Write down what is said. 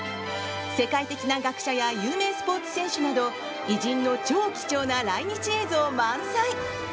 世界的な学者や有名スポーツ選手など偉人の超貴重な来日映像満載。